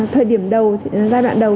thời điểm đầu giai đoạn đầu